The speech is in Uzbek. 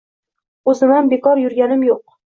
O‘zimam bekor jurganim jo‘q